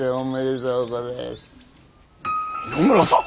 三野村さん？